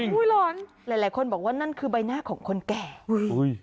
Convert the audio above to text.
หลอนหลายหลายคนบอกว่านั่นคือใบหน้าของคนแก่อุ้ย